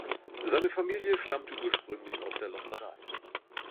Seine Familie stammte ursprünglich aus der Lombardei.